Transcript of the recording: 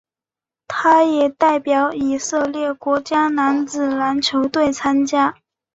他也代表以色列国家男子篮球队参赛。